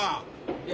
いや。